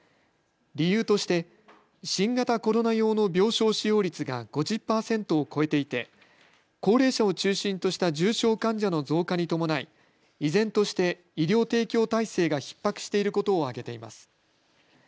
理由として新型コロナ用の病床使用率が５０％を超えていて高齢者を中心とした重症患者の増加に伴い依然として医療提供体制がひっ迫していることを挙げています。